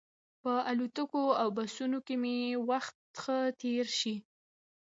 په الوتکو او بسونو کې مې وخت ښه تېر شي.